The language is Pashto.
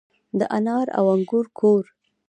د انار او انګور کور.